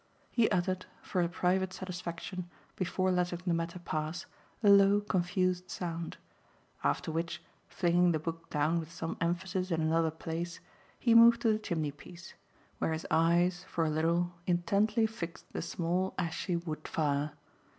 He uttered, for a private satisfaction, before letting the matter pass, a low confused sound; after which, flinging the book down with some emphasis in another place, he moved to the chimney piece, where his eyes for a little intently fixed the small ashy wood fire.